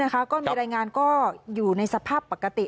ก็มีรายงานก็อยู่ในสภาพปกติ